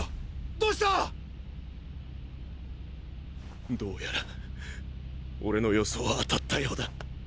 ⁉どうした⁉どうやら俺の予想は当たったようだ。